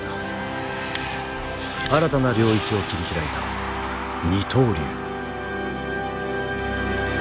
新たな領域を切り開いた二刀流。